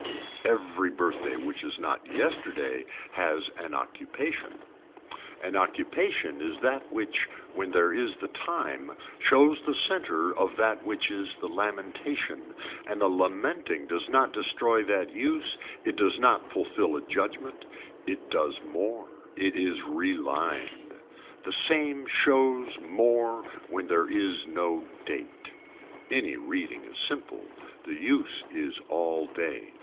Every birthday which is not yesterday has an occupation. An occupation is that which when there is the time shows the center of that which is the lamentation and lamenting does not destroy that use, it does not fulfill a judgement, it does more, it is relined. The same shows more when there is no date. Any reading is simple. The use is all day.